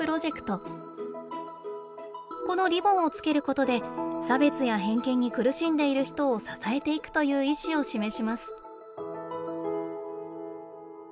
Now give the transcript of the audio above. このリボンをつけることで差別や偏見に苦しんでいる人を支えていくという意思を示します。